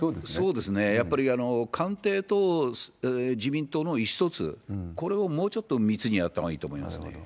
そうですね、やっぱり官邸と自民党の意思疎通、これをもうちょっと密にやったほうがいいと思いますね。